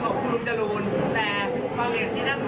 ขอช้องแปลนหน่อย